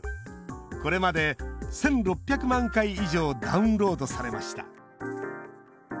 これまで１，６００万回以上ダウンロードされました。